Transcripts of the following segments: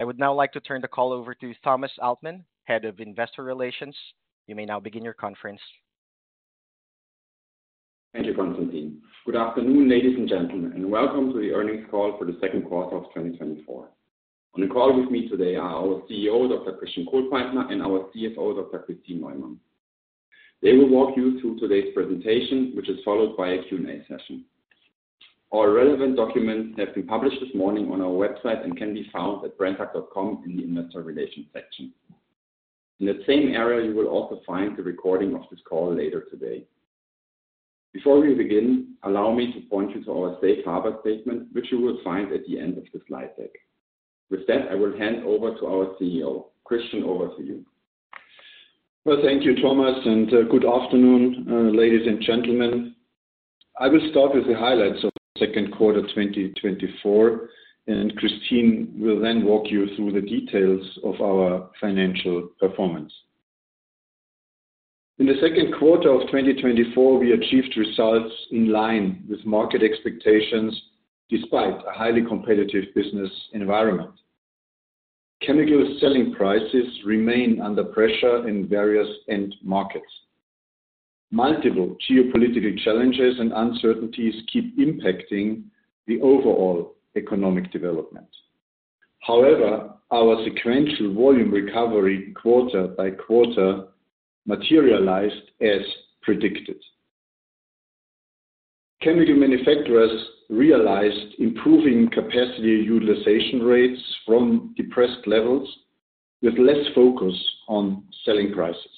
I would now like to turn the call over to Thomas Altmann, Head of Investor Relations. You may now begin your conference. Thank you, Constantine. Good afternoon, ladies and gentlemen, and welcome to the earnings call for the second quarter of 2024. On the call with me today are our CEO, Dr. Christian Kohlpaintner, and our CFO, Dr. Kristin Neumann. They will walk you through today's presentation, which is followed by a Q&A session. All relevant documents have been published this morning on our website and can be found at brenntag.com in the Investor Relations section. In that same area, you will also find the recording of this call later today. Before we begin, allow me to point you to our safe harbor statement, which you will find at the end of the slide deck. With that, I will hand over to our CEO. Christian, over to you. Well, thank you, Thomas, and good afternoon, ladies and gentlemen. I will start with the highlights of the second quarter, 2024, and Kristin will then walk you through the details of our financial performance. In the second quarter of 2024, we achieved results in line with market expectations, despite a highly competitive business environment. Chemical selling prices remain under pressure in various end markets. Multiple geopolitical challenges and uncertainties keep impacting the overall economic development. However, our sequential volume recovery, quarter by quarter, materialized as predicted. Chemical manufacturers realized improving capacity utilization rates from depressed levels with less focus on selling prices.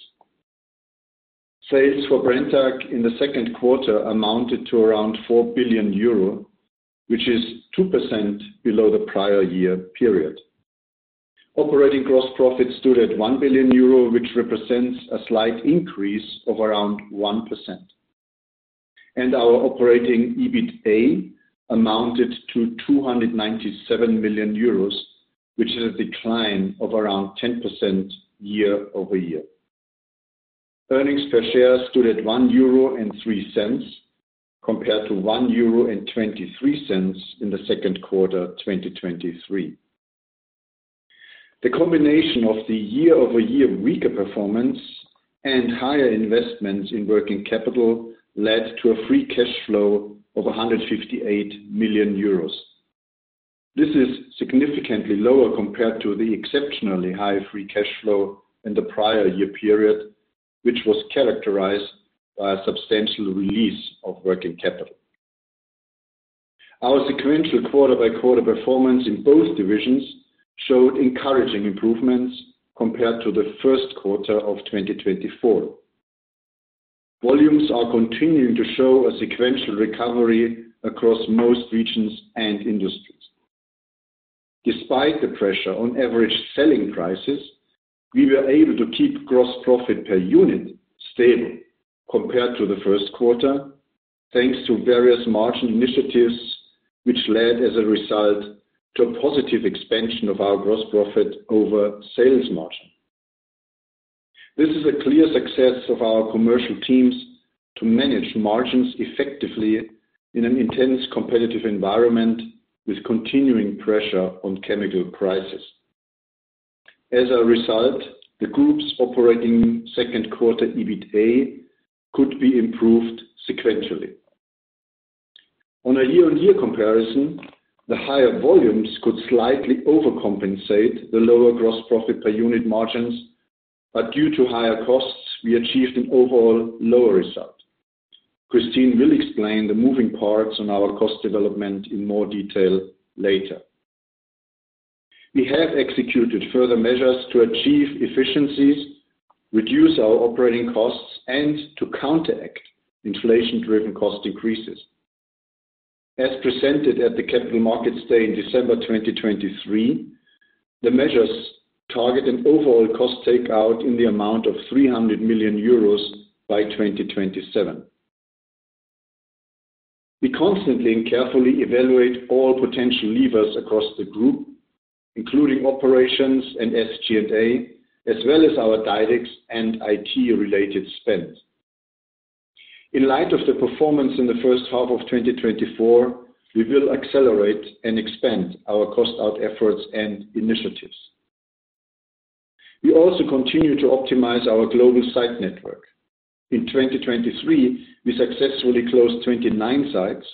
Sales for Brenntag in the second quarter amounted to around 4 billion euro, which is 2% below the prior year period. Operating gross profit stood at 1 billion euro, which represents a slight increase of around 1%, and our operating EBITA amounted to 297 million euros, which is a decline of around 10% year-over-year. Earnings per share stood at 1.03 euro, compared to 1.23 euro in the second quarter, 2023. The combination of the year-over-year weaker performance and higher investments in working capital led to a free cash flow of 158 million euros. This is significantly lower compared to the exceptionally high free cash flow in the prior year period, which was characterized by a substantial release of working capital. Our sequential quarter-by-quarter performance in both divisions showed encouraging improvements compared to the first quarter of 2024. Volumes are continuing to show a sequential recovery across most regions and industries. Despite the pressure on average selling prices, we were able to keep gross profit per unit stable compared to the first quarter, thanks to various margin initiatives, which led, as a result, to a positive expansion of our gross profit over sales margin. This is a clear success of our commercial teams to manage margins effectively in an intense competitive environment with continuing pressure on chemical prices. As a result, the group's operating second quarter EBITA could be improved sequentially. On a year-on-year comparison, the higher volumes could slightly overcompensate the lower gross profit per unit margins, but due to higher costs, we achieved an overall lower result. Kristin will explain the moving parts on our cost development in more detail later. We have executed further measures to achieve efficiencies, reduce our operating costs, and to counteract inflation-driven cost increases. As presented at the Capital Markets Day in December 2023, the measures target an overall cost take out in the amount of 300 million euros by 2027. We constantly and carefully evaluate all potential levers across the group, including operations and SG&A, as well as our DiDEX and IT-related spend. In light of the performance in the first half of 2024, we will accelerate and expand our cost-out efforts and initiatives. We also continue to optimize our global site network. In 2023, we successfully closed 29 sites,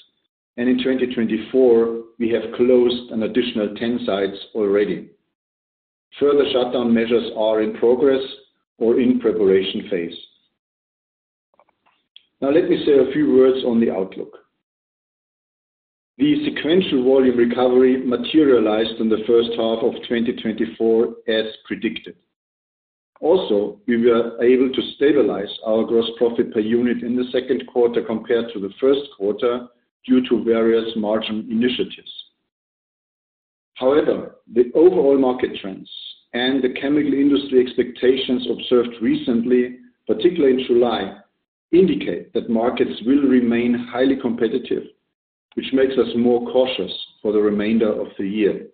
and in 2024, we have closed an additional 10 sites already. Further shutdown measures are in progress or in preparation phase. Now, let me say a few words on the outlook. The sequential volume recovery materialized in the first half of 2024 as predicted. Also, we were able to stabilize our gross profit per unit in the second quarter compared to the first quarter due to various margin initiatives. However, the overall market trends and the chemical industry expectations observed recently, particularly in July, indicate that markets will remain highly competitive, which makes us more cautious for the remainder of the year.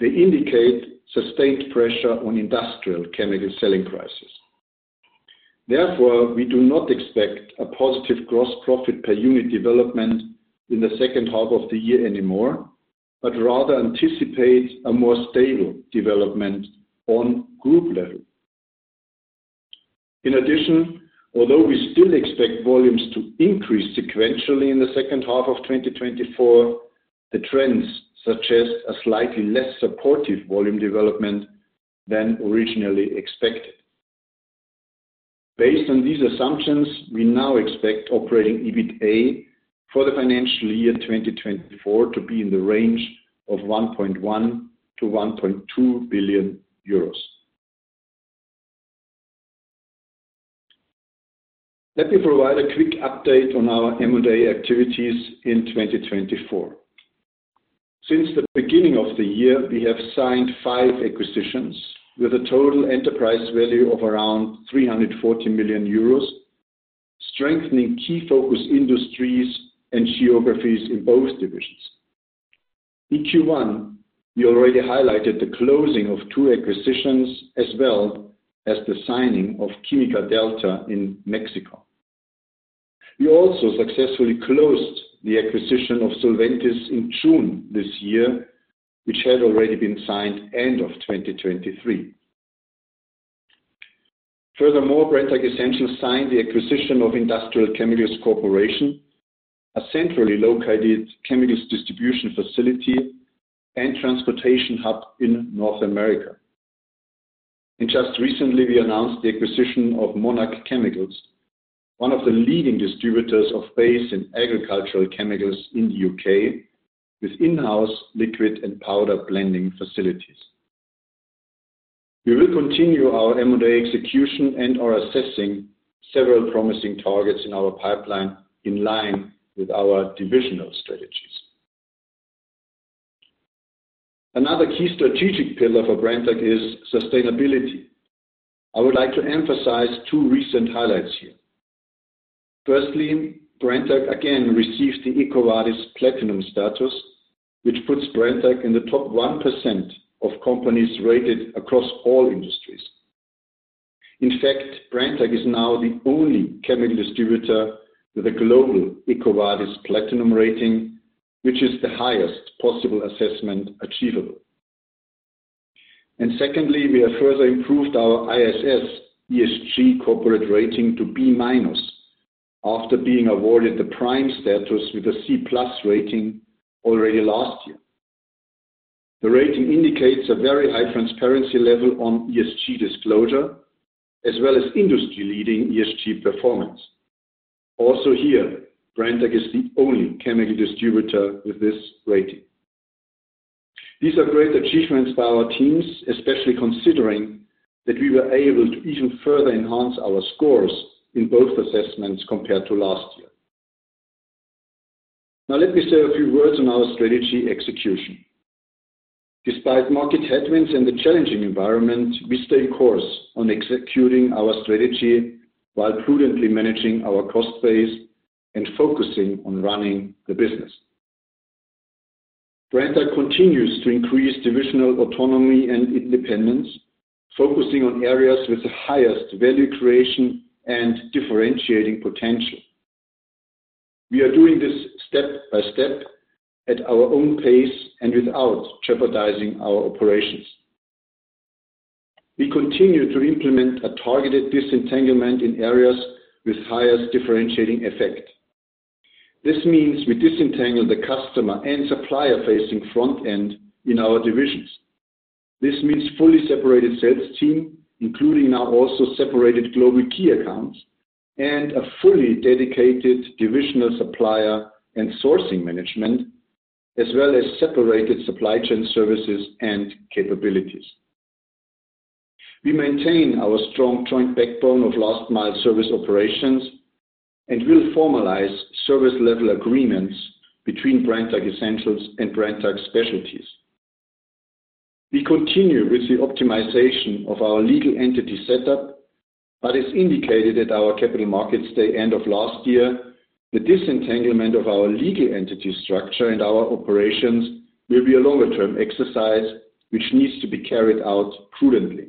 They indicate sustained pressure on industrial chemical selling prices. Therefore, we do not expect a positive gross profit per unit development in the second half of the year anymore, but rather anticipate a more stable development on group level. In addition, although we still expect volumes to increase sequentially in the second half of 2024, the trends suggest a slightly less supportive volume development than originally expected. Based on these assumptions, we now expect operating EBITA for the financial year 2024 to be in the range of 1.1 billion-1.2 billion euros. Let me provide a quick update on our M&A activities in 2024. Since the beginning of the year, we have signed 5 acquisitions with a total enterprise value of around 340 million euros, strengthening key focus industries and geographies in both divisions. In Q1, we already highlighted the closing of 2 acquisitions, as well as the signing of Quimica Delta in Mexico. We also successfully closed the acquisition of Solventis in June this year, which had already been signed end of 2023. Furthermore, Brenntag Essentials signed the acquisition of Industrial Chemicals Corporation, a centrally located chemicals distribution facility and transportation hub in North America. And just recently, we announced the acquisition of Monarch Chemicals, one of the leading distributors of base and agricultural chemicals in the UK, with in-house liquid and powder blending facilities. We will continue our M&A execution and are assessing several promising targets in our pipeline in line with our divisional strategies. Another key strategic pillar for Brenntag is sustainability. I would like to emphasize two recent highlights here. Firstly, Brenntag again receives the EcoVadis platinum status, which puts Brenntag in the top 1% of companies rated across all industries. In fact, Brenntag is now the only chemical distributor with a global EcoVadis platinum rating, which is the highest possible assessment achievable. And secondly, we have further improved our ISS ESG corporate rating to B-minus, after being awarded the prime status with a C-plus rating already last year. The rating indicates a very high transparency level on ESG disclosure, as well as industry-leading ESG performance. Also here, Brenntag is the only chemical distributor with this rating. These are great achievements by our teams, especially considering that we were able to even further enhance our scores in both assessments compared to last year. Now, let me say a few words on our strategy execution. Despite market headwinds and the challenging environment, we stay course on executing our strategy, while prudently managing our cost base and focusing on running the business. Brenntag continues to increase divisional autonomy and independence, focusing on areas with the highest value creation and differentiating potential. We are doing this step by step, at our own pace and without jeopardizing our operations. We continue to implement a targeted disentanglement in areas with highest differentiating effect. This means we disentangle the customer and supplier-facing front end in our divisions. This means fully separated sales team, including now also separated global key accounts, and a fully dedicated divisional supplier and sourcing management, as well as separated supply chain services and capabilities. We maintain our strong joint backbone of last mile service operations, and will formalize service level agreements between Brenntag Essentials and Brenntag Specialties. We continue with the optimization of our legal entity setup, but as indicated at our Capital Markets Day end of last year, the disentanglement of our legal entity structure and our operations will be a longer-term exercise, which needs to be carried out prudently.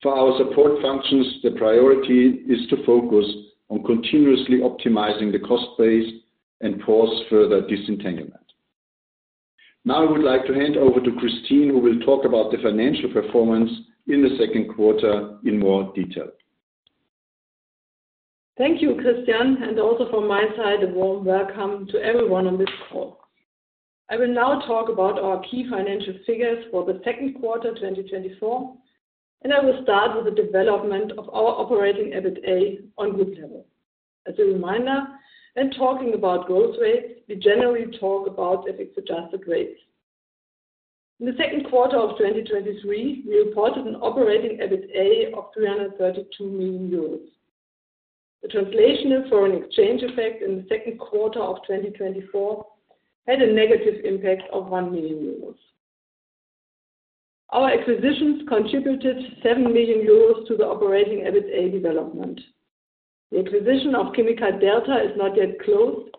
For our support functions, the priority is to focus on continuously optimizing the cost base and pause further disentanglement. Now, I would like to hand over to Kristin, who will talk about the financial performance in the second quarter in more detail. Thank you, Christian, and also from my side, a warm welcome to everyone on this call. I will now talk about our key financial figures for the second quarter, 2024, and I will start with the development of our operating EBITA on group level. As a reminder, when talking about growth rates, we generally talk about FX adjusted rates. In the second quarter of 2023, we reported an operating EBITA of 332 million euros. The translation and foreign exchange effect in the second quarter of 2024 had a negative impact of 1 million euros. Our acquisitions contributed 7 million euros to the operating EBITA development. The acquisition of Quimica Delta is not yet closed,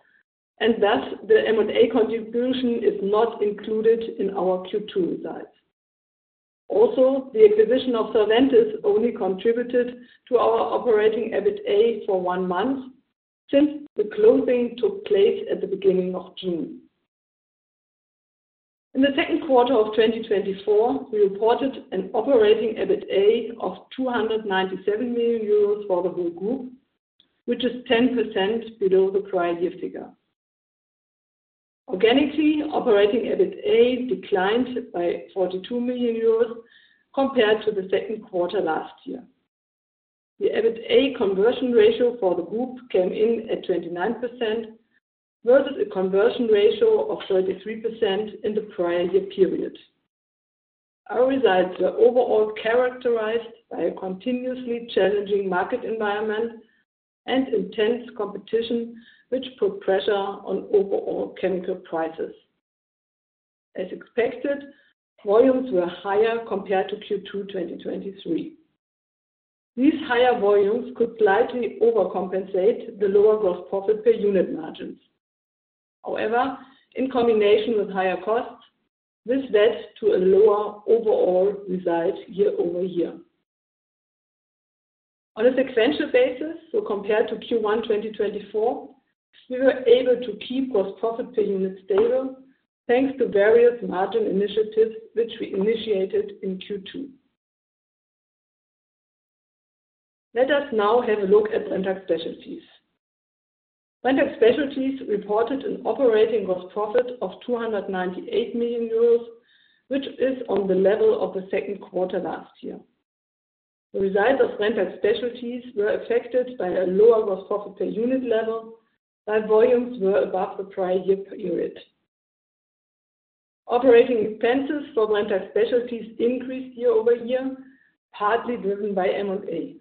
and thus the M&A contribution is not included in our Q2 results. Also, the acquisition of Solventis only contributed to our operating EBITA for one month, since the closing took place at the beginning of June. In the second quarter of 2024, we reported an operating EBITA of 297 million euros for the whole group, which is 10% below the prior year figure. Organically, operating EBITA declined by 42 million euros compared to the second quarter last year. The EBITA conversion ratio for the group came in at 29%, versus a conversion ratio of 33% in the prior year period. Our results were overall characterized by a continuously challenging market environment and intense competition, which put pressure on overall chemical prices. As expected, volumes were higher compared to Q2 2023. These higher volumes could slightly overcompensate the lower gross profit per unit margins. However, in combination with higher costs, this led to a lower overall result year-over-year. On a sequential basis, so compared to Q1 2024, we were able to keep gross profit per unit stable, thanks to various margin initiatives which we initiated in Q2. Let us now have a look at Brenntag Specialties. Brenntag Specialties reported an operating gross profit of 298 million euros, which is on the level of the second quarter last year. The results of Brenntag Specialties were affected by a lower gross profit per unit level, while volumes were above the prior year period. Operating expenses for Brenntag Specialties increased year-over-year, partly driven by M&A.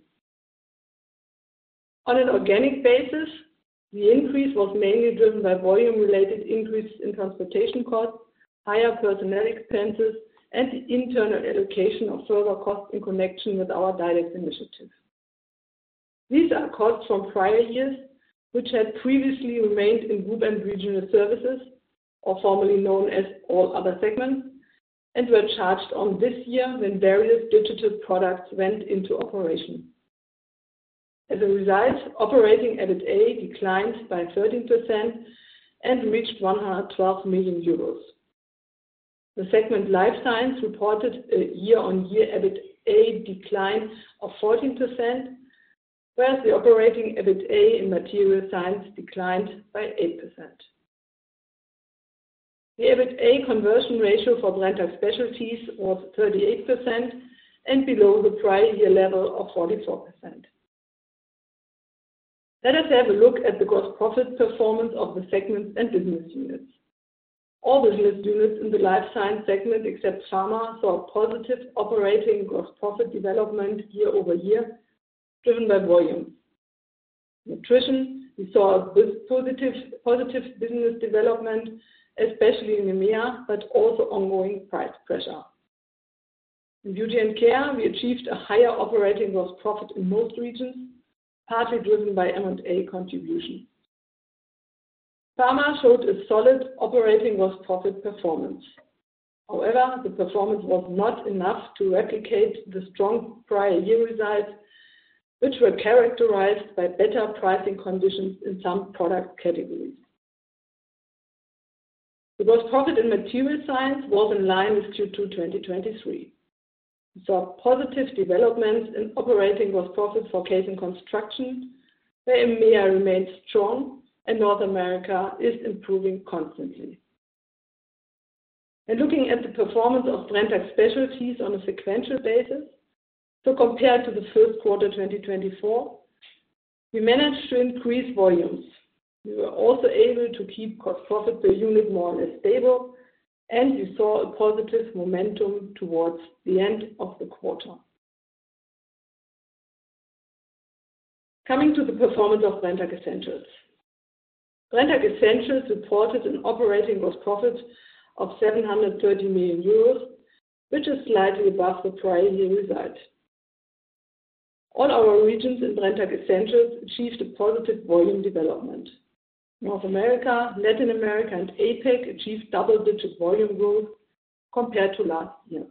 On an organic basis, the increase was mainly driven by volume-related increase in transportation costs, higher personnel expenses, and the internal allocation of server costs in connection with our direct initiatives. These are costs from prior years, which had previously remained in group and regional services, or formerly known as All Other Segments, and were charged on this year when various digital products went into operation. As a result, operating EBITA declined by 13% and reached 112 million euros. The segment Life Science reported a year-over-year EBITA decline of 14%, whereas the operating EBITA in Material Science declined by 8%. The EBITA conversion ratio for Brenntag Specialties was 38% and below the prior year level of 44%. Let us have a look at the gross profit performance of the segments and business units. All business units in the Life Science segment, except Pharma, saw a positive operating gross profit development year-over-year, driven by volume. Nutrition, we saw a good, positive, positive business development, especially in EMEA, but also ongoing price pressure. In Beauty and Care, we achieved a higher Operating Gross Profit in most regions, partly driven by M&A contribution. Pharma showed a solid Operating Gross Profit performance. However, the performance was not enough to replicate the strong prior year results, which were characterized by better pricing conditions in some product categories. The Gross Profit in Material Science was in line with Q2 2023. We saw positive developments in Operating Gross Profit for casing construction, where EMEA remains strong and North America is improving constantly. And looking at the performance of Brenntag Specialties on a sequential basis, so compared to the first quarter of 2024, we managed to increase volumes. We were also able to keep Gross Profit per unit more or less stable, and we saw a positive momentum towards the end of the quarter. Coming to the performance of Brenntag Essentials. Brenntag Essentials reported an Operating Gross Profit of 730 million euros, which is slightly above the prior year result. All our regions in Brenntag Essentials achieved a positive volume development. North America, Latin America, and APAC achieved double-digit volume growth compared to last year.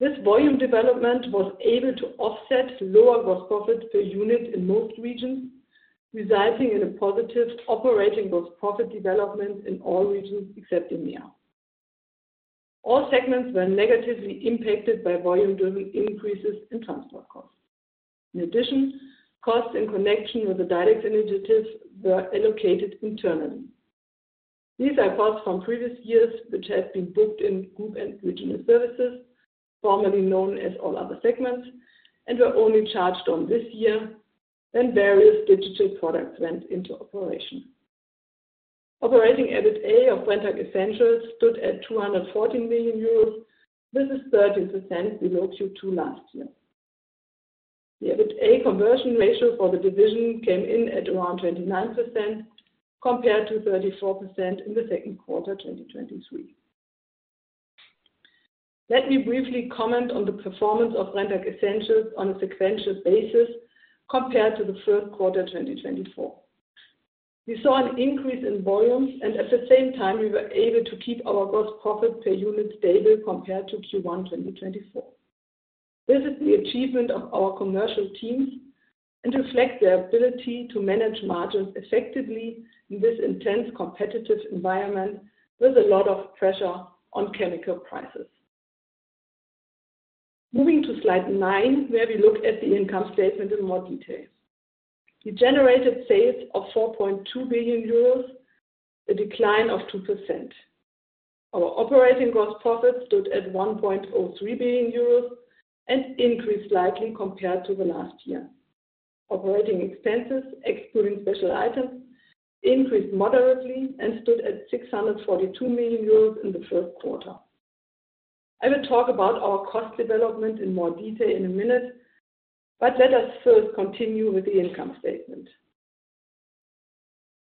This volume development was able to offset lower gross profit per unit in most regions, resulting in a positive Operating Gross Profit development in all regions except EMEA. All segments were negatively impacted by volume driven increases in transport costs. In addition, costs in connection with the DiDEX initiatives were allocated internally. These are costs from previous years, which have been booked in Group and Regional Services, formerly known as All Other Segments, and were only charged on this year when various digital products went into operation. Operating EBITA of Brenntag Essentials stood at 214 million euros. This is 13% below Q2 last year. The EBITA conversion ratio for the division came in at around 29%, compared to 34% in the second quarter, 2023. Let me briefly comment on the performance of Brenntag Essentials on a sequential basis compared to the first quarter, 2024. We saw an increase in volume, and at the same time, we were able to keep our gross profit per unit stable compared to Q1, 2024. This is the achievement of our commercial teams and reflect their ability to manage margins effectively in this intense competitive environment with a lot of pressure on chemical prices. Moving to slide 9, where we look at the income statement in more detail. We generated sales of 4.2 billion euros, a decline of 2%. Our operating gross profit stood at 1.03 billion euros and increased slightly compared to the last year. Operating expenses, excluding special items, increased moderately and stood at 642 million euros in the first quarter. I will talk about our cost development in more detail in a minute, but let us first continue with the income statement.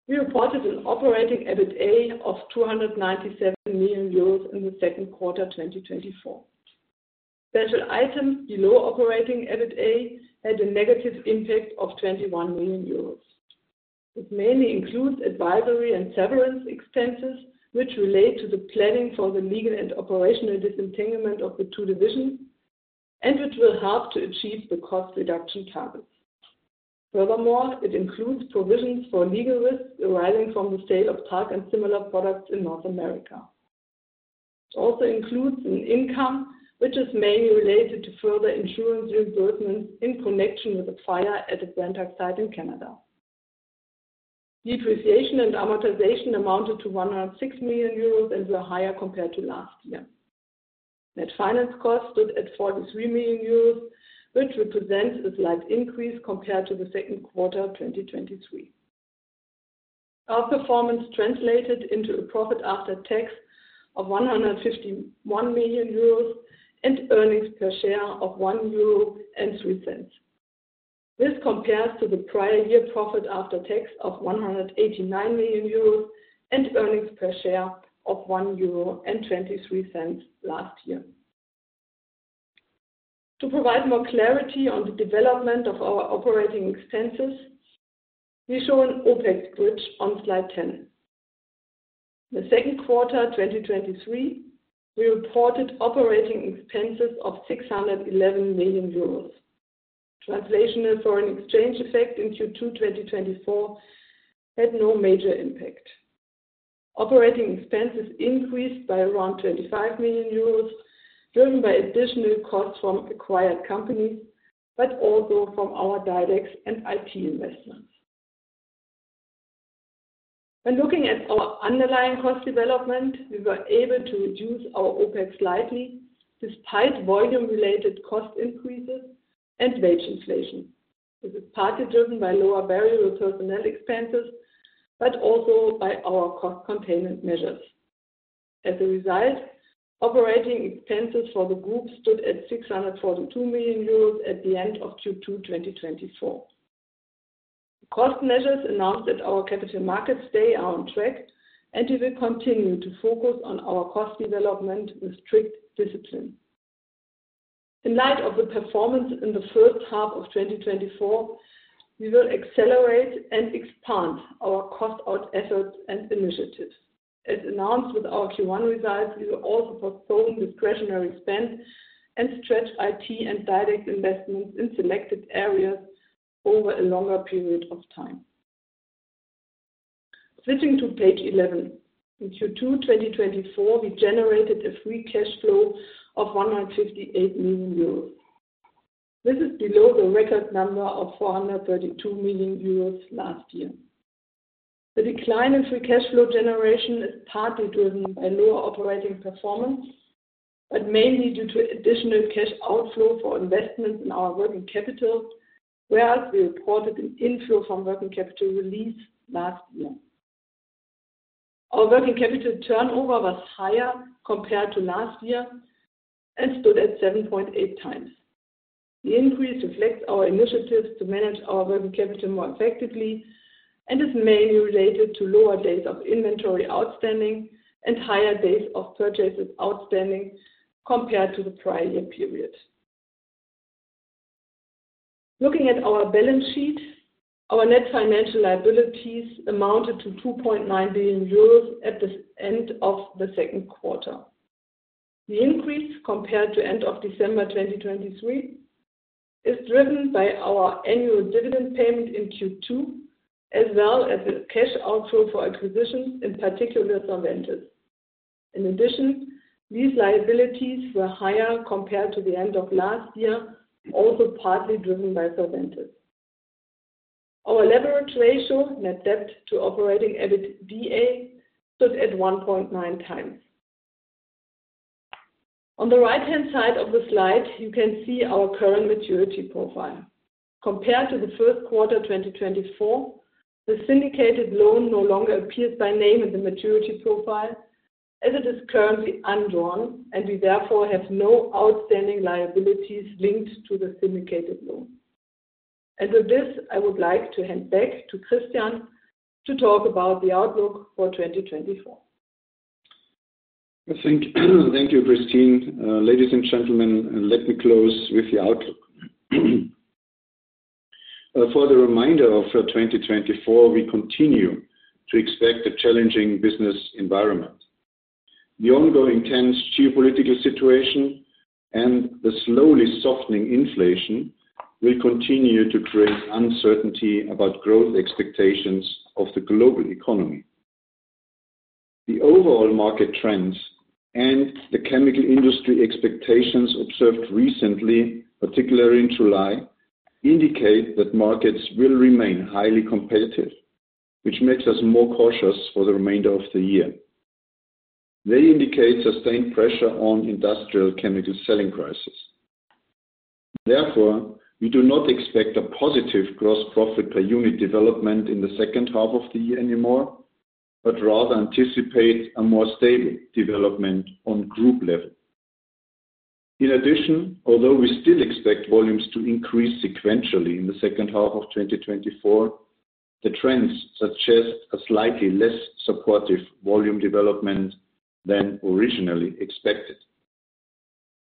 We reported an operating EBITA of 297 million euros in the second quarter, 2024. Special items below operating EBITA had a negative impact of 21 million euros. It mainly includes advisory and severance expenses, which relate to the planning for the legal and operational disentanglement of the two divisions, and which will help to achieve the cost reduction targets. Furthermore, it includes provisions for legal risks arising from the sale of talc and similar products in North America. It also includes an income which is mainly related to further insurance reimbursements in connection with the fire at the Lantek site in Canada. Depreciation and amortization amounted to 106 million euros and were higher compared to last year. Net finance costs stood at 43 million euros, which represents a slight increase compared to the second quarter of 2023. Our performance translated into a profit after tax of 151 million euros and earnings per share of 1.03 euro. This compares to the prior year profit after tax of 189 million euros and earnings per share of 1.23 euro last year. To provide more clarity on the development of our operating expenses, we show an OpEx bridge on slide 10. The second quarter 2023, we reported operating expenses of 611 million euros. Translational foreign exchange effect in Q2 2024 had no major impact. Operating expenses increased by around 25 million euros, driven by additional costs from acquired companies, but also from our DiDEX and IT investments. When looking at our underlying cost development, we were able to reduce our OpEx slightly, despite volume-related cost increases and wage inflation. This is partly driven by lower variable personnel expenses, but also by our cost containment measures. As a result, operating expenses for the group stood at 642 million euros at the end of Q2 2024. Cost measures announced at our capital markets day are on track, and we will continue to focus on our cost development with strict discipline. In light of the performance in the first half of 2024, we will accelerate and expand our cost out efforts and initiatives. As announced with our Q1 results, we will also postpone discretionary spend and stretch IT and direct investments in selected areas over a longer period of time. Switching to page 11. In Q2 2024, we generated a free cash flow of 158 million euros. This is below the record number of 432 million euros last year. The decline in free cash flow generation is partly driven by lower operating performance, but mainly due to additional cash outflow for investment in our working capital, whereas we reported an inflow from working capital release last year. Our working capital turnover was higher compared to last year and stood at 7.8 times. The increase reflects our initiatives to manage our working capital more effectively and is mainly related to lower days of inventory outstanding and higher days of purchases outstanding compared to the prior year period. Looking at our balance sheet, our net financial liabilities amounted to 2.9 billion euros at the end of the second quarter. The increase compared to end of December 2023 is driven by our annual dividend payment in Q2, as well as the cash outflow for acquisitions, in particular, Solventis. In addition, these liabilities were higher compared to the end of last year, also partly driven by Solventis. Our leverage ratio, net debt to operating EBITDA, stood at 1.9 times. On the right-hand side of the slide, you can see our current maturity profile. Compared to the first quarter, 2024, the syndicated loan no longer appears by name in the maturity profile, as it is currently undrawn, and we therefore have no outstanding liabilities linked to the syndicated loan. With this, I would like to hand back to Christian to talk about the outlook for 2024. Thank you, Kristin. Ladies and gentlemen, let me close with the outlook. For the remainder of 2024, we continue to expect a challenging business environment. The ongoing tense geopolitical situation and the slowly softening inflation will continue to create uncertainty about growth expectations of the global economy. The overall market trends and the chemical industry expectations observed recently, particularly in July, indicate that markets will remain highly competitive, which makes us more cautious for the remainder of the year. They indicate sustained pressure on industrial chemical selling prices. Therefore, we do not expect a positive gross profit per unit development in the second half of the year anymore, but rather anticipate a more stable development on group level. In addition, although we still expect volumes to increase sequentially in the second half of 2024, the trends suggest a slightly less supportive volume development than originally expected.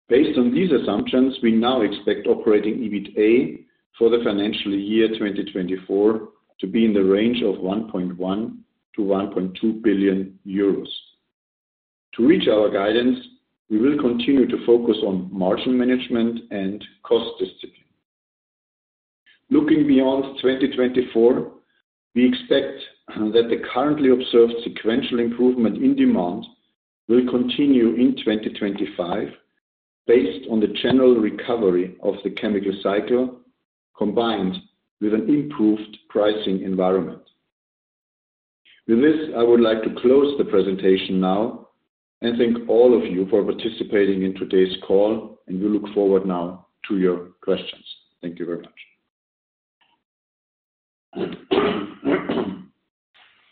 Based on these assumptions, we now expect operating EBITA for the financial year 2024 to be in the range of 1.1 billion-1.2 billion euros. To reach our guidance, we will continue to focus on margin management and cost discipline. Looking beyond 2024, we expect that the currently observed sequential improvement in demand will continue in 2025, based on the general recovery of the chemical cycle, combined with an improved pricing environment. With this, I would like to close the presentation now, and thank all of you for participating in today's call, and we look forward now to your questions. Thank you very much.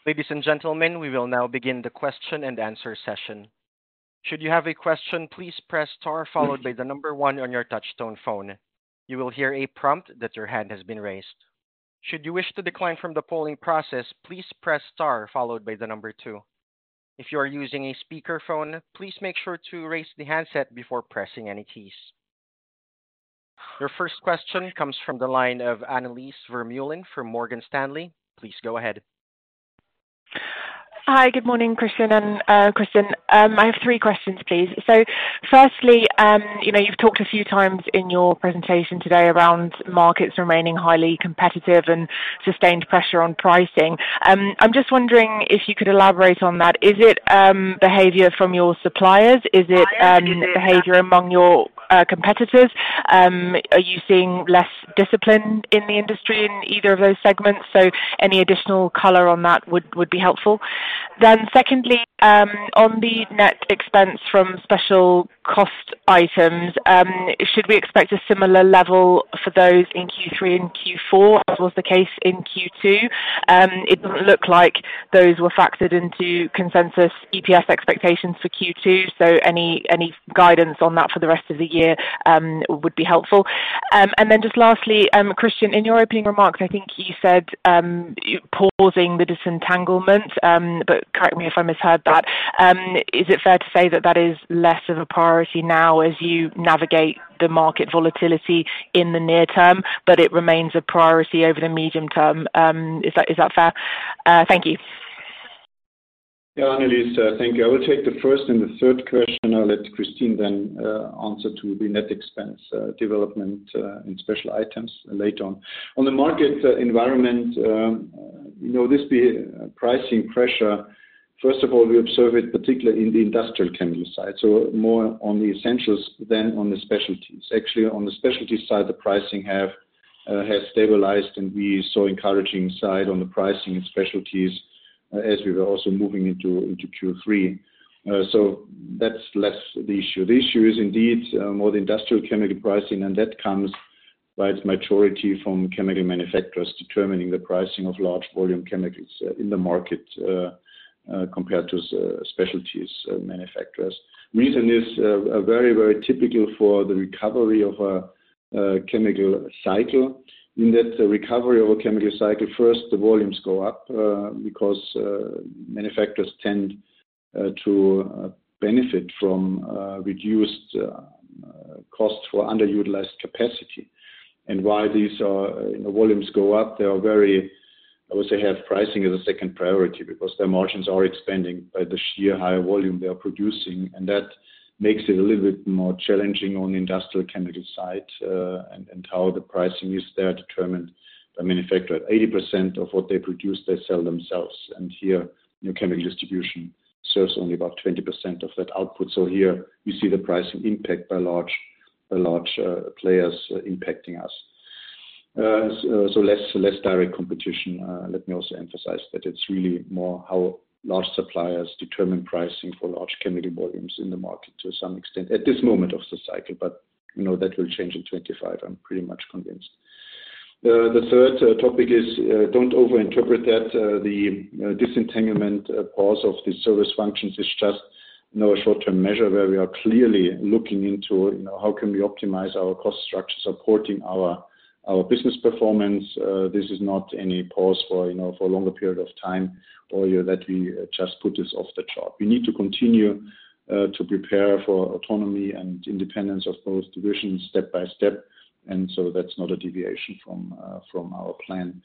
Ladies and gentlemen, we will now begin the question and answer session. Should you have a question, please press star followed by the number one on your touchtone phone. You will hear a prompt that your hand has been raised. Should you wish to decline from the polling process, please press star followed by the number two. If you are using a speakerphone, please make sure to raise the handset before pressing any keys. Your first question comes from the line of Annelies Vermeulen from Morgan Stanley. Please go ahead. Hi, good morning, Christian and, Christian. I have three questions, please. So firstly, you know, you've talked a few times in your presentation today around markets remaining highly competitive and sustained pressure on pricing. I'm just wondering if you could elaborate on that. Is it, behavior from your suppliers? Is it, behavior among your, competitors? Are you seeing less discipline in the industry in either of those segments? So any additional color on that would, would be helpful. Then secondly, on the net expense from special cost items, should we expect a similar level for those in Q3 and Q4, as was the case in Q2? It didn't look like those were factored into consensus EPS expectations for Q2, so any, any guidance on that for the rest of the year, would be helpful. And then just lastly, Christian, in your opening remarks, I think you said pausing the disentanglement, but correct me if I misheard that. Is it fair to say that that is less of a priority now as you navigate the market volatility in the near term, but it remains a priority over the medium term? Is that, is that fair? Thank you. Yeah, Annelies, thank you. I will take the first and the third question. I'll let Kristin then answer to the net expense development and special items later on. On the market environment, you know, we see pricing pressure, first of all, we observe it particularly in the industrial chemical side, so more on the essentials than on the specialties. Actually, on the specialty side, the pricing has stabilized, and we saw encouraging signs on the pricing and specialties as we were also moving into Q3. So that's less the issue. The issue is indeed more the industrial chemical pricing, and that comes for the majority from chemical manufacturers determining the pricing of large volume chemicals in the market compared to specialties manufacturers. Reason is very, very typical for the recovery of a chemical cycle, in that the recovery of a chemical cycle, first, the volumes go up, because manufacturers tend to benefit from reduced cost for underutilized capacity. And while these volumes go up, they are very, I would say, have pricing as a second priority because their margins are expanding by the sheer high volume they are producing, and that makes it a little bit more challenging on the industrial chemical side, and how the pricing is there determined by manufacturer. 80% of what they produce, they sell themselves, and here, new chemical distribution serves only about 20% of that output. So here you see the pricing impact by large, by large, players impacting us. So less, less direct competition. Let me also emphasize that it's really more how large suppliers determine pricing for large chemical volumes in the market to some extent, at this moment of the cycle, but, you know, that will change in 2025, I'm pretty much convinced. The third topic is, don't overinterpret that the disentanglement pause of the service functions is... No short-term measure where we are clearly looking into, you know, how can we optimize our cost structure, supporting our business performance? This is not any pause for, you know, for a longer period of time or year, that we just put this off the chart. We need to continue to prepare for autonomy and independence of those divisions step by step, and so that's not a deviation from our plan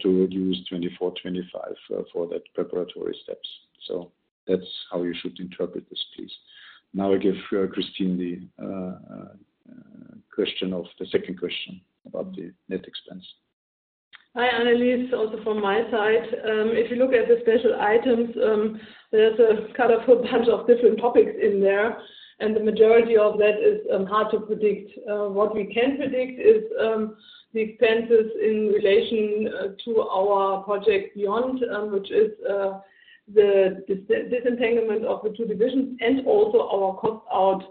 to reduce 2024, 2025, for that preparatory steps. So that's how you should interpret this, please. Now I give Kristin the question of the second question about the net expense. Hi, Annelies, also from my side, if you look at the special items, there's a kind of a bunch of different topics in there, and the majority of that is hard to predict. What we can predict is the expenses in relation to our project Beyond, which is the disentanglement of the two divisions and also our cost out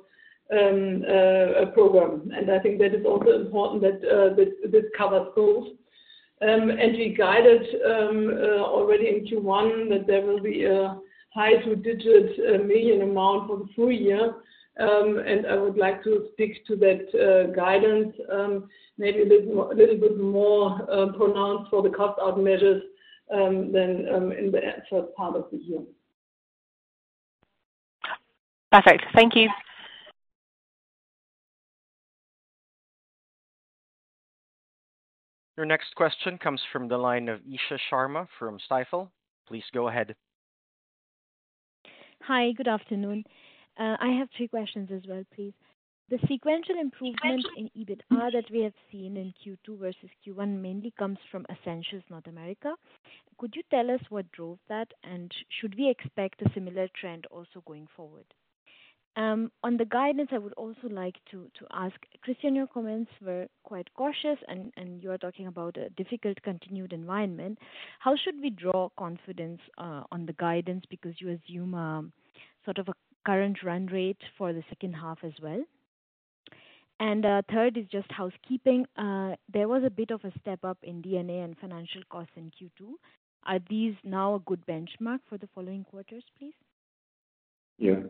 program. And I think that is also important that this covers both. And we guided already in Q1 that there will be a high two-digit million EUR amount for the full year. And I would like to stick to that guidance, maybe a little more pronounced for the cost out measures than in the first part of the year. Perfect. Thank you. Your next question comes from the line of Isha Sharma from Stifel. Please go ahead. Hi, good afternoon. I have three questions as well, please. The sequential improvement in EBITA that we have seen in Q2 versus Q1 mainly comes from Essentials North America. Could you tell us what drove that? And should we expect a similar trend also going forward? On the guidance, I would also like to ask, Kristin, your comments were quite cautious and you're talking about a difficult continued environment. How should we draw confidence on the guidance? Because you assume sort of a current run rate for the second half as well. And third is just housekeeping. There was a bit of a step up in D&A and financial costs in Q2. Are these now a good benchmark for the following quarters, please? Yeah.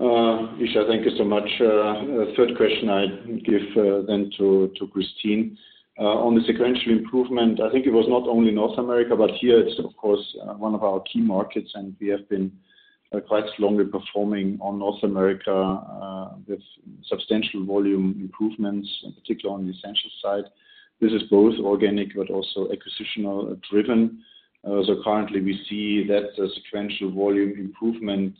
Isha, thank you so much. The third question I'd give, then to, to Kristin. On the sequential improvement, I think it was not only North America, but here it's of course, one of our key markets, and we have been, quite strongly performing on North America, with substantial volume improvements, in particular on the Essentials side. This is both organic but also acquisitional driven. So currently we see that the sequential volume improvement,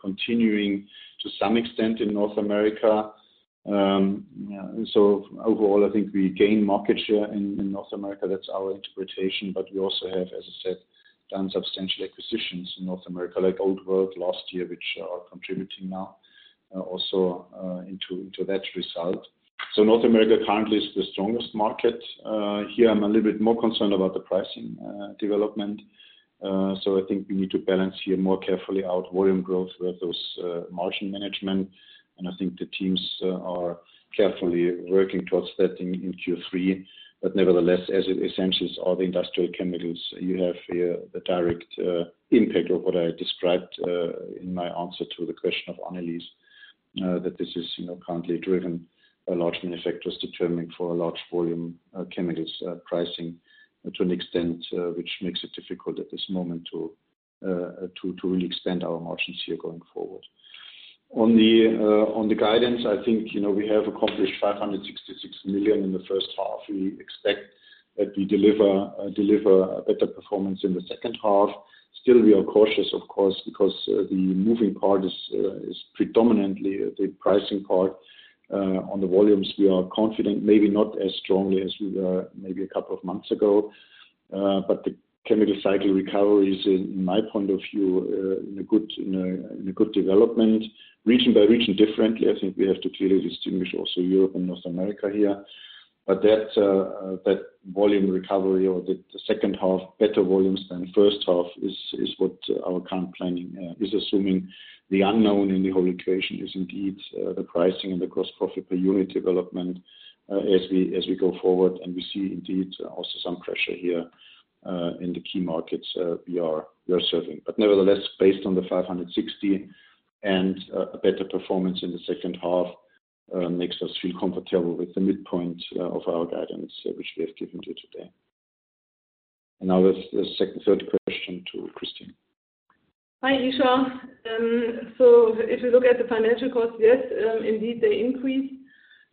continuing to some extent in North America. So overall, I think we gain market share in, in North America. That's our interpretation. But we also have, as I said, done substantial acquisitions in North America, like Old World last year, which are contributing now, also, into, to that result. So North America currently is the strongest market. Here I'm a little bit more concerned about the pricing development. So I think we need to balance here more carefully out volume growth with those margin management. And I think the teams are carefully working towards that in Q3. But nevertheless, as Essentials are the industrial chemicals, you have here the direct impact of what I described in my answer to the question of Annelies that this is, you know, currently driven a large manufacturers determining for a large volume chemicals pricing to an extent which makes it difficult at this moment to really expand our margins here going forward. On the guidance, I think, you know, we have accomplished 566 million in the first half. We expect that we deliver a better performance in the second half. Still, we are cautious, of course, because the moving part is predominantly the pricing part. On the volumes, we are confident, maybe not as strongly as we were maybe a couple of months ago, but the chemical cycle recovery is, in my point of view, in a good development, region by region differently. I think we have to clearly distinguish also Europe and North America here. But that volume recovery or the second half, better volumes than first half, is what our current planning is assuming. The unknown in the whole equation is indeed the pricing and the cost profit per unit development, as we go forward. And we see indeed, also some pressure here in the key markets we are serving. But nevertheless, based on the 560 and a better performance in the second half makes us feel comfortable with the midpoint of our guidance which we have given to you today. And now the third question to Kristin. Hi, Isha. So if you look at the financial costs, yes, indeed, they increased.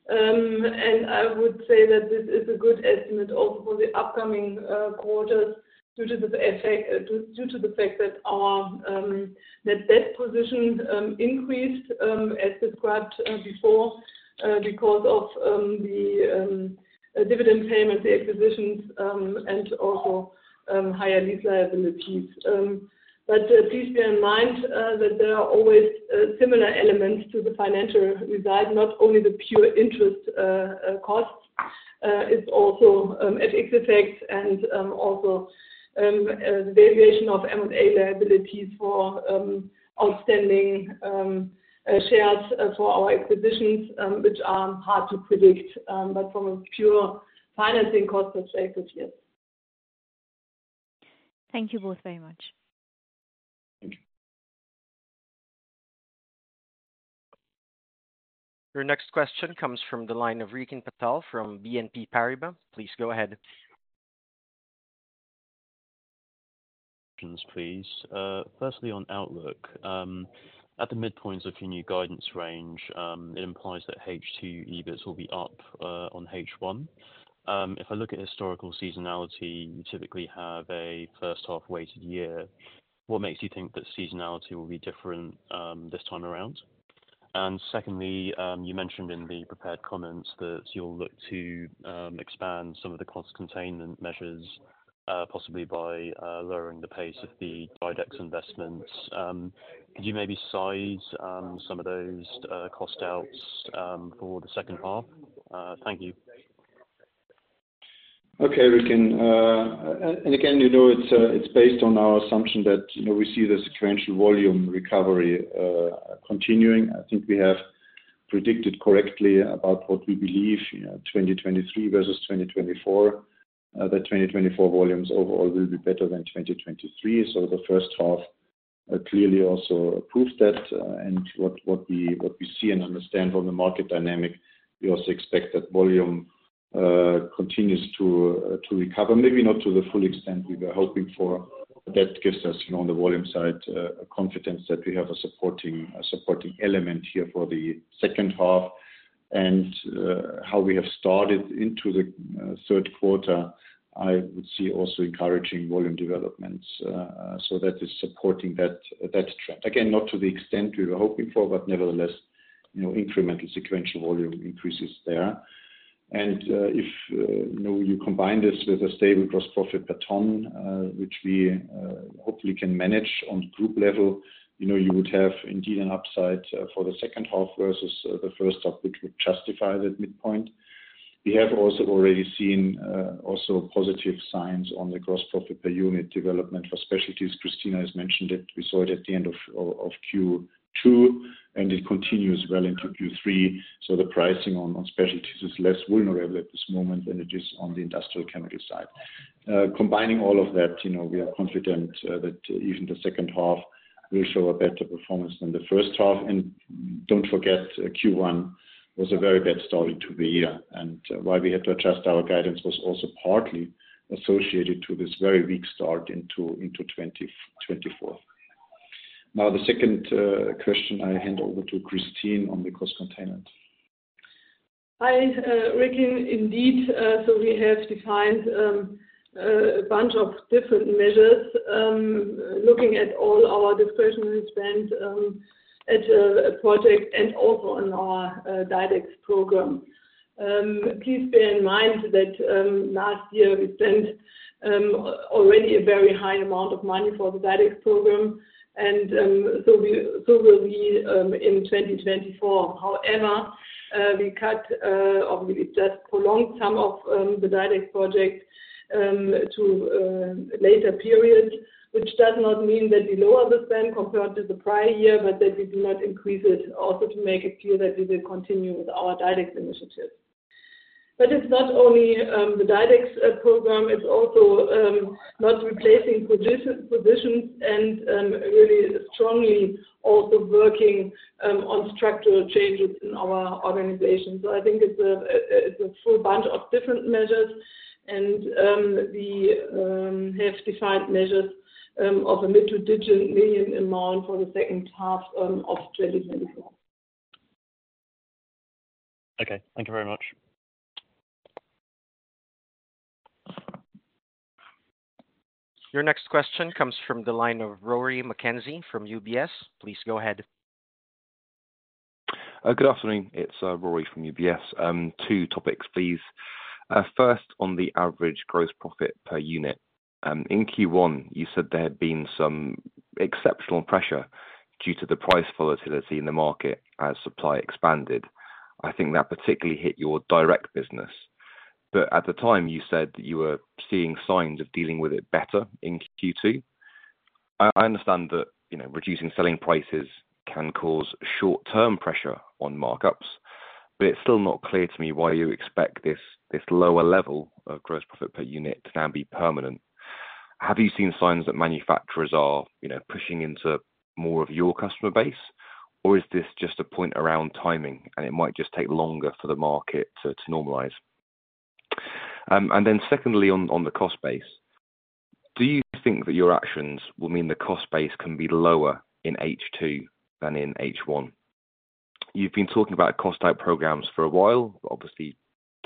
And I would say that this is a good estimate also for the upcoming quarters due to the effect due to the fact that our net debt positions increased as described before because of the dividend payment, the acquisitions, and also higher lease liabilities. But please bear in mind that there are always similar elements to the financial result, not only the pure interest costs. It's also FX effects and also the variation of M&A liabilities for outstanding shares for our acquisitions, which are hard to predict, but from a pure financing cost perspective, yes.... Thank you both very much. Thank you. Your next question comes from the line of Rikin Patel from BNP Paribas. Please go ahead. Please. Firstly, on outlook, at the midpoint of your new guidance range, it implies that H2 EBITs will be up on H1. If I look at historical seasonality, you typically have a first half weighted year. What makes you think that seasonality will be different this time around? And secondly, you mentioned in the prepared comments that you'll look to expand some of the cost containment measures, possibly by lowering the pace of the DiDEX investments. Could you maybe size some of those cost outs for the second half? Thank you. Okay, Rikin. And again, you know, it's, it's based on our assumption that, you know, we see the sequential volume recovery continuing. I think we have predicted correctly about what we believe, you know, 2023 versus 2024. That 2024 volumes overall will be better than 2023. So the first half clearly also proves that, and what we see and understand from the market dynamic, we also expect that volume continues to recover, maybe not to the full extent we were hoping for. That gives us, you know, on the volume side, a confidence that we have a supporting element here for the second half. And how we have started into the third quarter, I would see also encouraging volume developments. So that is supporting that trend. Again, not to the extent we were hoping for, but nevertheless, you know, incremental sequential volume increases there. And if you know, you combine this with a stable gross profit per ton, which we hopefully can manage on group level, you know, you would have indeed an upside for the second half versus the first half, which would justify that midpoint. We have also already seen also positive signs on the gross profit per unit development for specialties. Kristin has mentioned it. We saw it at the end of Q2, and it continues well into Q3. So the pricing on specialties is less vulnerable at this moment than it is on the industrial chemical side. Combining all of that, you know, we are confident that even the second half will show a better performance than the first half. Don't forget, Q1 was a very bad start to the year, and why we had to adjust our guidance was also partly associated to this very weak start into 2024. Now, the second question, I hand over to Kristin on the cost containment. Hi, Rikin. Indeed, so we have defined a bunch of different measures, looking at all our discretionary spend, at a project and also on our DiDEX program. Please bear in mind that last year, we spent already a very high amount of money for the DiDEX program, and so will we in 2024. However, we cut, or we just prolonged some of the DiDEX project to later periods, which does not mean that we lower the spend compared to the prior year, but that we do not increase it, also to make it clear that we will continue with our DiDEX initiative. But it's not only the DiDEX program, it's also not replacing positions and really strongly also working on structural changes in our organization. So I think it's a full bunch of different measures and we have defined measures of a EUR mid- to double-digit million amount for the second half of 2024. Okay, thank you very much. Your next question comes from the line of Rory McKenzie from UBS. Please go ahead. Good afternoon. It's Rory from UBS. Two topics, please. First, on the average gross profit per unit. In Q1, you said there had been some exceptional pressure due to the price volatility in the market as supply expanded. I think that particularly hit your direct business. But at the time, you said that you were seeing signs of dealing with it better in Q2. I understand that, you know, reducing selling prices can cause short-term pressure on markups, but it's still not clear to me why you expect this lower level of gross profit per unit to now be permanent. Have you seen signs that manufacturers are, you know, pushing into more of your customer base, or is this just a point around timing, and it might just take longer for the market to normalize? And then secondly, on the cost base, do you think that your actions will mean the cost base can be lower in H2 than in H1? You've been talking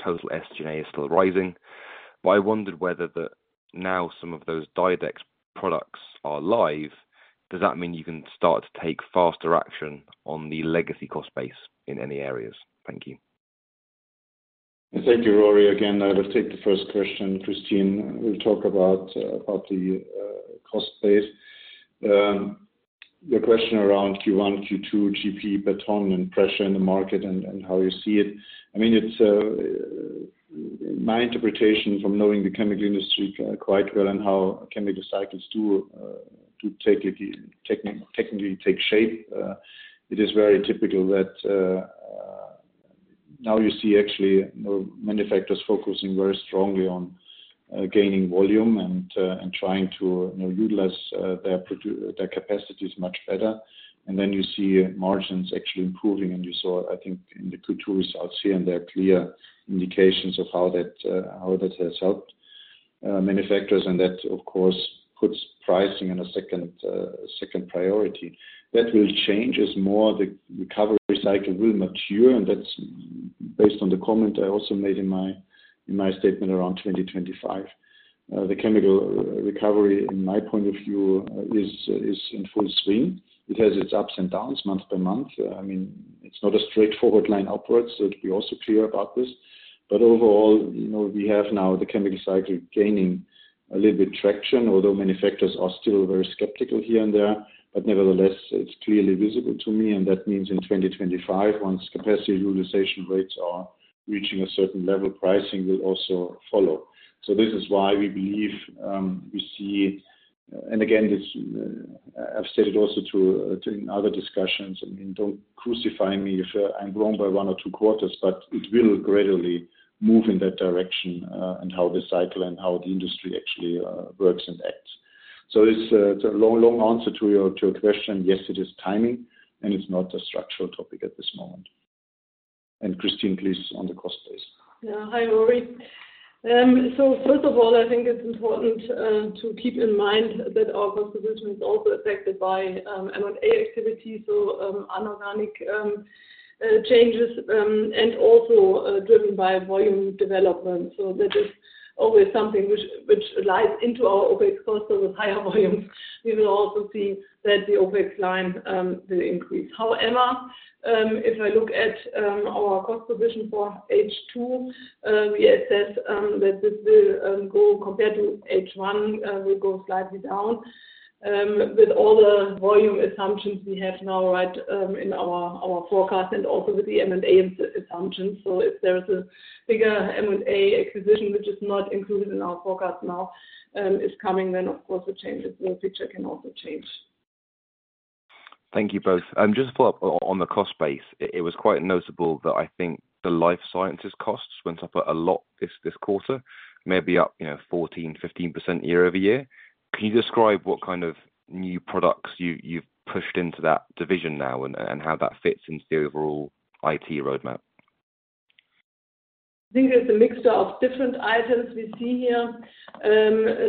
about cost out programs for a while. Obviously, total SG&A is still rising, but I wondered whether that now some of those DiDEX products are live, does that mean you can start to take faster action on the legacy cost base in any areas? Thank you. Thank you, Rory. Again, I will take the first question. Kristin will talk about the cost base. Your question around Q1, Q2, GP per ton and pressure in the market and how you see it. I mean, it's my interpretation from knowing the chemical industry quite well and how chemical cycles do, to take it technically, take shape. It is very typical that now you see actually manufacturers focusing very strongly on gaining volume and trying to, you know, utilize their capacities much better. And then you see margins actually improving, and you saw, I think, in the Q2 results here, and there are clear indications of how that has helped manufacturers. And that, of course, puts pricing in a second priority. That will change as more the recovery cycle will mature, and that's based on the comment I also made in my, in my statement around 2025. The chemical recovery, in my point of view, is, is in full swing. It has its ups and downs, month by month. I mean, it's not a straightforward line upwards, so to be also clear about this. But overall, you know, we have now the chemical cycle gaining a little bit traction, although manufacturers are still very skeptical here and there. But nevertheless, it's clearly visible to me, and that means in 2025, once capacity utilization rates are reaching a certain level, pricing will also follow. So this is why we believe we see. And again, it's, I've said it also to, in other discussions, I mean, don't crucify me if, I'm wrong by one or two quarters, but it will gradually move in that direction, and how the cycle and how the industry actually works and acts. So it's a, it's a long, long answer to your, to your question. Yes, it is timing, and it's not a structural topic at this moment. And Kristin, please, on the cost base. Yeah. Hi, Rory. So first of all, I think it's important to keep in mind that our cost position is also affected by M&A activity, so inorganic changes, and also driven by volume development. So that is always something which, which lies into our OpEx costs. So with higher volumes, we will also see that the OpEx line will increase. However, if I look at our cost position for H2, we assess that this will go compared to H1, will go slightly down. With all the volume assumptions we have now, right, in our forecast and also with the M&A assumptions. So if there's a bigger M&A acquisition, which is not included in our forecast now, is coming, then, of course, the changes in the future can also change. Thank you both. Just to follow up on the cost base. It was quite noticeable that I think the life sciences costs went up a lot this quarter, maybe up, you know, 14%-15% year-over-year. Can you describe what kind of new products you've pushed into that division now and how that fits into the overall IT roadmap? I think it's a mixture of different items we see here.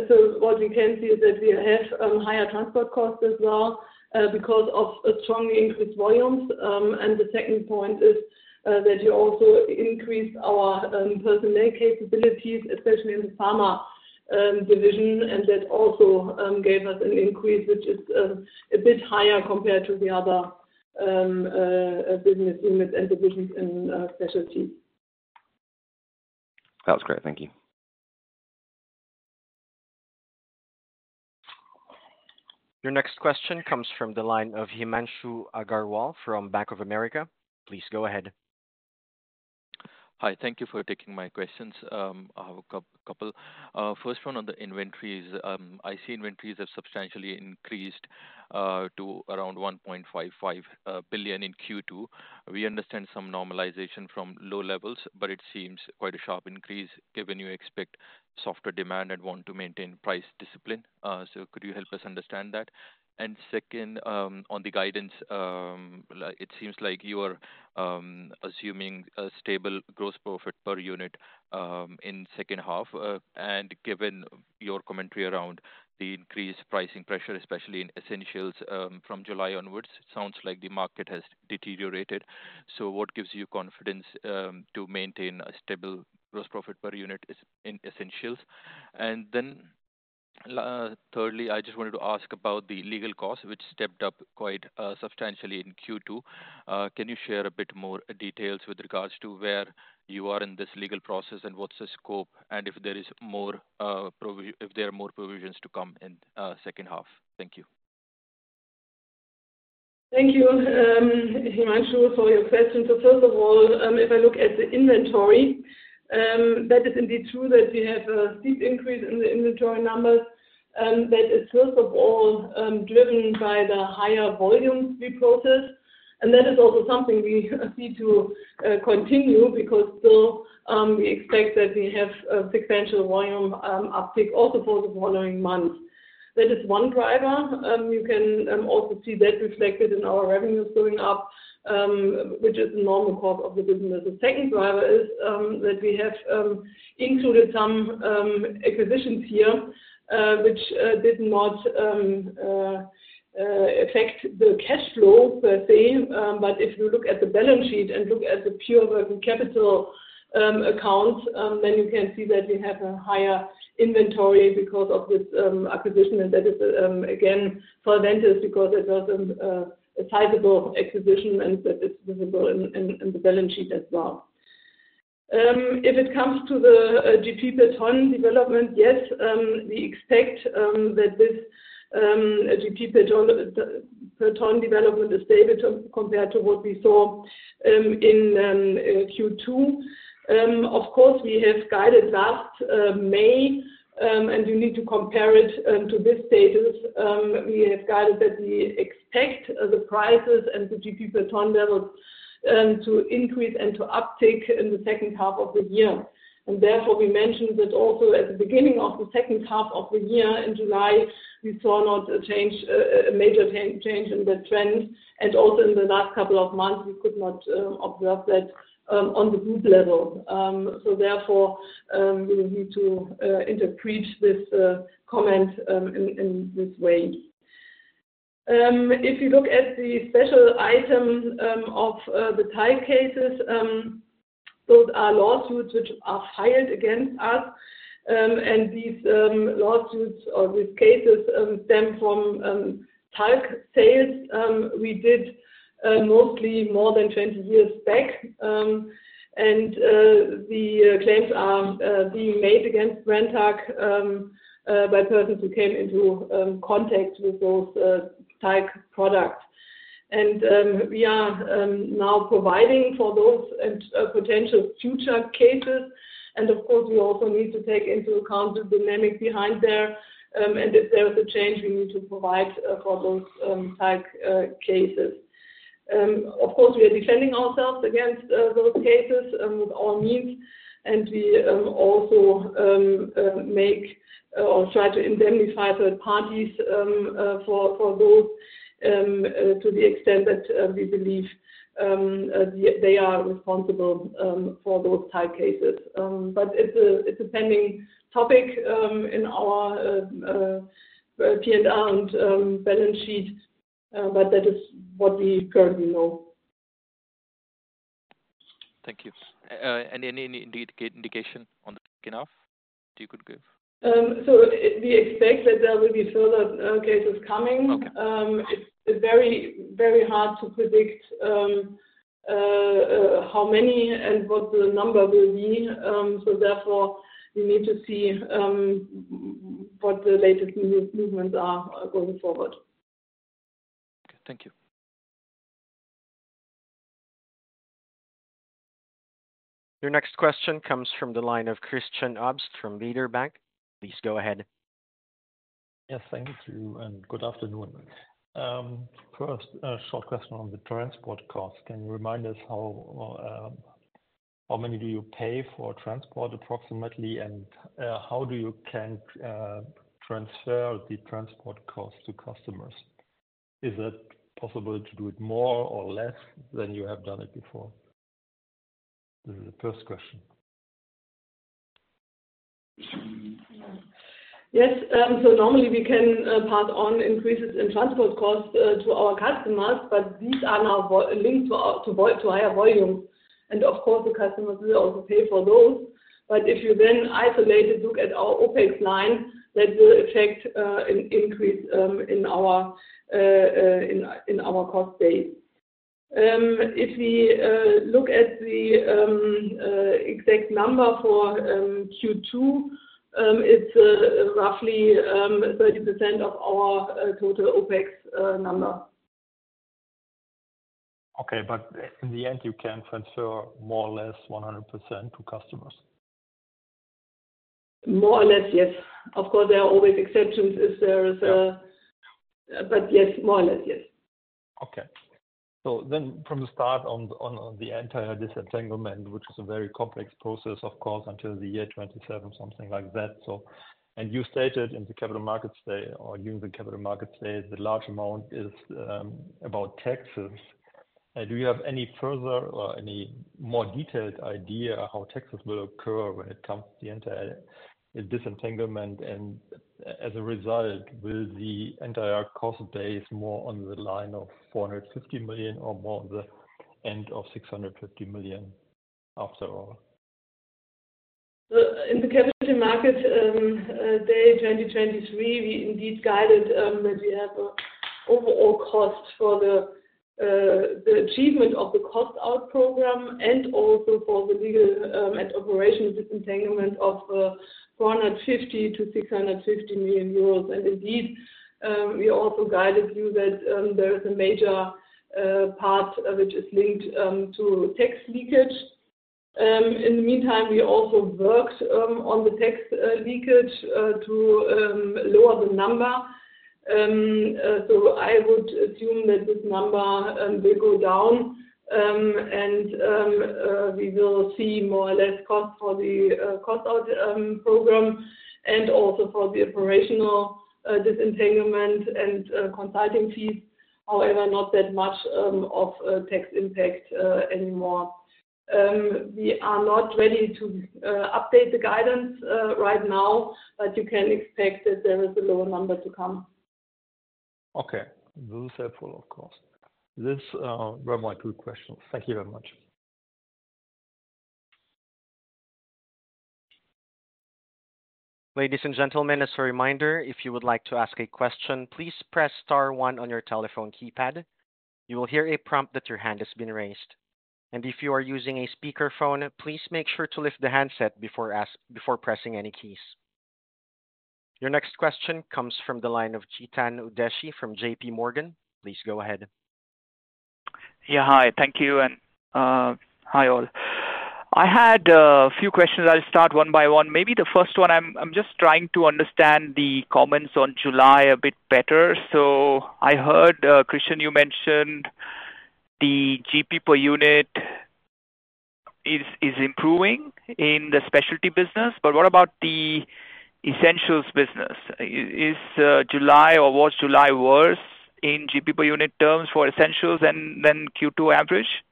So what we can see is that we have higher transport costs as well, because of a strong increase volumes. And the second point is that we also increased our personnel capabilities, especially in the pharma division, and that also gave us an increase, which is a bit higher compared to the other business units and divisions in specialty. That's great. Thank you. Your next question comes from the line of Himanshu Agarwal from Bank of America. Please go ahead. Hi. Thank you for taking my questions. I have a couple. First one on the inventories. I see inventories have substantially increased to around 1.55 billion in Q2. We understand some normalization from low levels, but it seems quite a sharp increase given you expect softer demand and want to maintain price discipline. So could you help us understand that? And second, on the guidance, like, it seems like you are assuming a stable gross profit per unit in second half. And given your commentary around the increased pricing pressure, especially in essentials, from July onwards, it sounds like the market has deteriorated. So what gives you confidence to maintain a stable gross profit per unit in essentials? And then, thirdly, I just wanted to ask about the legal costs, which stepped up quite substantially in Q2. Can you share a bit more details with regards to where you are in this legal process, and what's the scope, and if there is more, if there are more provisions to come in second half? Thank you. Thank you, Himanshu, for your questions. So first of all, if I look at the inventory, that is indeed true that we have a steep increase in the inventory numbers. That is, first of all, driven by the higher volumes we processed, and that is also something we need to continue, because still, we expect that we have a substantial volume uptick also for the following months. That is one driver. You can also see that reflected in our revenues going up, which is the normal course of the business. The second driver is that we have included some acquisitions here, which did not affect the cash flow per se. But if you look at the balance sheet and look at the pure working capital accounts, then you can see that we have a higher inventory because of this acquisition. And that is, again, for Solventis, because it was a sizable acquisition and that is visible in the balance sheet as well. If it comes to the GP per ton development, yes, we expect that this GP per ton development is stable compared to what we saw in Q2. Of course, we have guided last May and you need to compare it to this status. We have guided that we expect the prices and the GP per ton levels to increase and to uptick in the second half of the year. Therefore, we mentioned that also at the beginning of the second half of the year, in July, we saw not a change, a major change in the trend, and also in the last couple of months, we could not observe that on the group level. So therefore, you need to interpret this comment in this way. If you look at the special item of the talc cases, those are lawsuits which are filed against us. And these lawsuits or these cases stem from talc sales we did mostly more than 20 years back. And the claims are being made against Brenntag by persons who came into contact with those talc products. We are now providing for those and potential future cases. Of course, we also need to take into account the dynamic behind there, and if there is a change, we need to provide for those talc cases. Of course, we are defending ourselves against those cases with all means, and we also make or try to indemnify third parties for those to the extent that we believe they are responsible for those talc cases. But it's a pending topic in our P&L and balance sheet, but that is what we currently know. Thank you. Any indication on the end you could give? So we expect that there will be further cases coming. Okay. It's very, very hard to predict how many and what the number will be. So therefore, we need to see what the latest movements are going forward. Thank you. Your next question comes from the line of Christian Obst from Baader Bank. Please go ahead. Yes, thank you and good afternoon. First, a short question on the transport cost. Can you remind us how many do you pay for transport approximately? And, how do you can transfer the transport cost to customers? Is it possible to do it more or less than you have done it before? This is the first question. Yes. So normally we can pass on increases in transport costs to our customers, but these are now linked to higher volume. And of course, the customers will also pay for those. But if you then isolated, look at our OpEx line, that will affect an increase in our cost base. If we look at the exact number for Q2, it's roughly 30% of our total OpEx number. Okay, but in the end, you can transfer more or less 100% to customers? More or less, yes. Of course, there are always exceptions if there is a- Yeah. But yes, more or less, yes. Okay. So then from the start, the entire disentanglement, which is a very complex process, of course, until the year 2027, something like that, so... And you stated in the Capital Markets Day or during the Capital Markets Day, the large amount is about taxes. Do you have any further or any more detailed idea how taxes will occur when it comes to the entire disentanglement? And as a result, will the entire cost base more on the line of 450 million or more on the end of 650 million, after all? In the Capital Markets Day 2023, we indeed guided that we have an overall cost for the achievement of the cost out program and also for the legal and operational disentanglement of 450 million-650 million euros. And indeed, we also guided you that there is a major part which is linked to tax leakage. In the meantime, we also worked on the tax leakage to lower the number. So I would assume that this number will go down and we will see more or less cost for the cost out program and also for the operational disentanglement and consulting fees. However, not that much of tax impact anymore. We are not ready to update the guidance right now, but you can expect that there is a lower number to come. Okay. Those are helpful, of course. This, were my two questions. Thank you very much. Ladies and gentlemen, as a reminder, if you would like to ask a question, please press star one on your telephone keypad. You will hear a prompt that your hand has been raised. If you are using a speakerphone, please make sure to lift the handset before pressing any keys. Your next question comes from the line of Chetan Udeshi from J.P. Morgan. Please go ahead. Yeah, hi. Thank you. And hi, all. I had a few questions. I'll start one by one. Maybe the first one, I'm just trying to understand the comments on July a bit better. So I heard Christian, you mentioned the GP per unit is improving in the specialty business, but what about the essentials business? Is July or was July worse in GP per unit terms for essentials than Q2 average?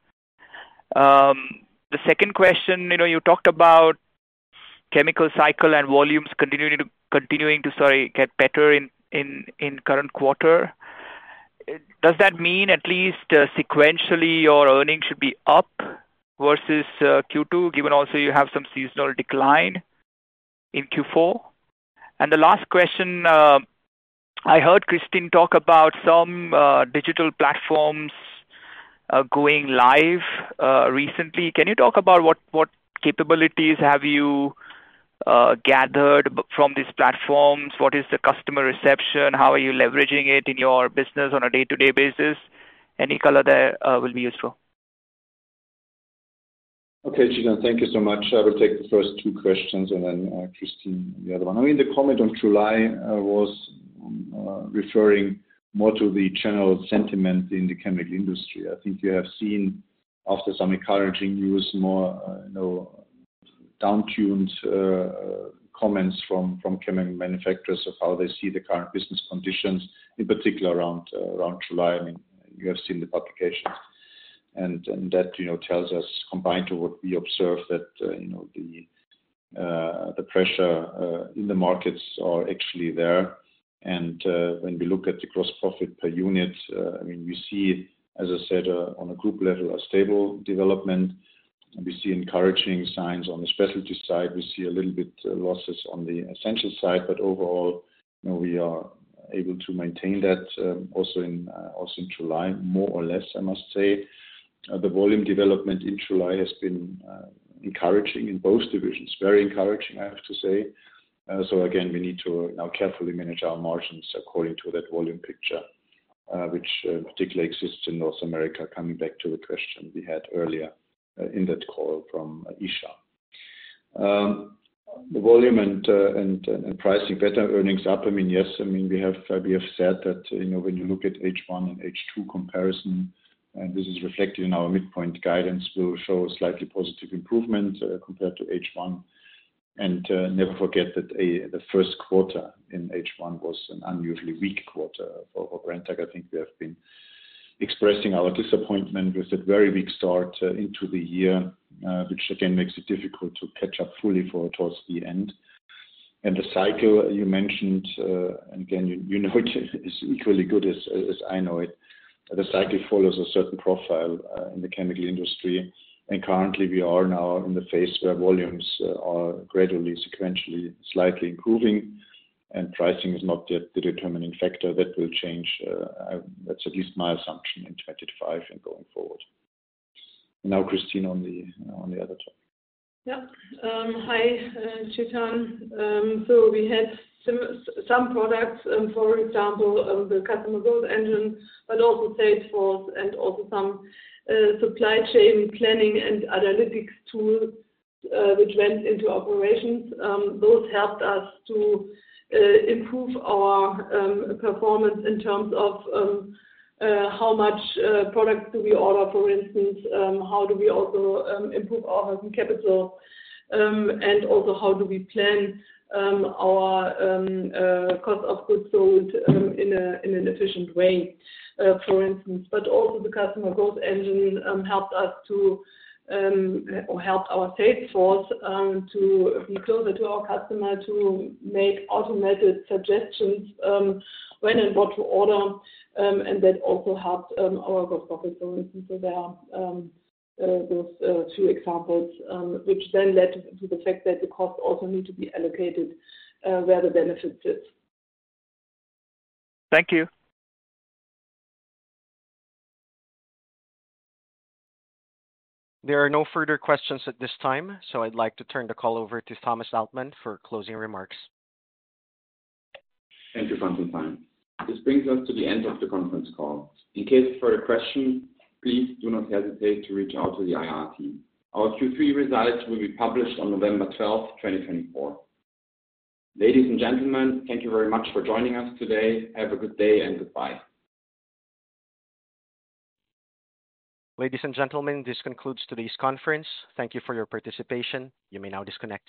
The second question, you know, you talked about chemical cycle and volumes continuing to get better in current quarter. Does that mean at least sequentially, your earnings should be up versus Q2, given also you have some seasonal decline in Q4? And the last question, I heard Kristin talk about some digital platforms going live recently. Can you talk about what capabilities have you gathered from these platforms? What is the customer reception? How are you leveraging it in your business on a day-to-day basis? Any color there will be useful. Okay, Chetan, thank you so much. I will take the first two questions and then, Kristin, the other one. I mean, the comment on July was referring more to the general sentiment in the chemical industry. I think you have seen after some encouraging news, more, you know, down-tuned comments from chemical manufacturers of how they see the current business conditions, in particular around July. I mean, you have seen the publications. And that, you know, tells us, combined to what we observe, that, you know, the pressure in the markets are actually there. And when we look at the gross profit per unit, I mean, we see, as I said, on a group level, a stable development. We see encouraging signs on the specialty side. We see a little bit, losses on the essential side, but overall, you know, we are able to maintain that, also in, also in July, more or less, I must say. The volume development in July has been, encouraging in both divisions. Very encouraging, I have to say. So again, we need to now carefully manage our margins according to that volume picture, which, particularly exists in North America, coming back to the question we had earlier, in that call from Isha. The volume and, and, and pricing, better earnings up, I mean, yes, I mean, we have, we have said that, you know, when you look at H1 and H2 comparison, and this is reflected in our midpoint guidance, will show slightly positive improvement, compared to H1. Never forget that the first quarter in H1 was an unusually weak quarter for Brenntag. I think we have been expressing our disappointment with that very weak start into the year, which again makes it difficult to catch up fully towards the end. And the cycle you mentioned, and again, you know it as equally good as I know it. The cycle follows a certain profile in the chemical industry, and currently we are now in the phase where volumes are gradually, sequentially, slightly improving, and pricing is not yet the determining factor. That will change, that's at least my assumption, in 25 and going forward. Now, Kristin, on the other topic. Yeah. Hi, Chetan. So we had some products, for example, the Customer Growth Engine, but also Salesforce and also some supply chain planning and analytics tools, which went into operations. Those helped us to improve our performance in terms of how much products do we order, for example for instance. How do we also improve our working capital? And also how do we plan our cost of goods sold in an efficient way, for instance. But also the Customer Growth Engine helped us to, or helped our sales force to be closer to our customer, to make automated suggestions when and what to order, and that also helped our gross profit. There are those two examples, which then led to the fact that the costs also need to be allocated where the benefit is. Thank you. There are no further questions at this time, so I'd like to turn the call over to Thomas Altmann for closing remarks. Thank you, Franklin. This brings us to the end of the conference call. In case of further question, please do not hesitate to reach out to the IR team. Our Q3 results will be published on November twelfth, twenty twenty-four. Ladies and gentlemen, thank you very much for joining us today. Have a good day and goodbye. Ladies and gentlemen, this concludes today's conference. Thank you for your participation. You may now disconnect your-